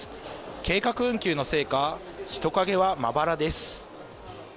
計画運休のせいか、人影はまばらです。